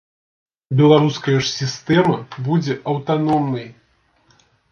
Беларуская ж сістэма будзе аўтаномнай.